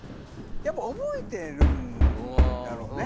やっぱ覚えてるんだろうね。